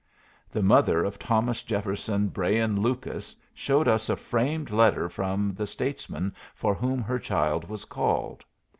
The mother of Thomas Jefferson Brayin Lucas showed us a framed letter from the statesman for whom her child was called.